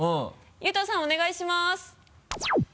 悠人さんお願いします。